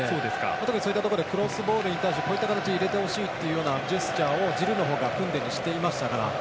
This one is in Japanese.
特に、そういったところでクロスボールに対してこういった形で入れてほしいというジェスチャーをジルーの方がクンデにしていましたから。